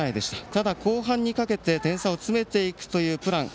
ただ、後半にかけて点差を詰めていくというプラン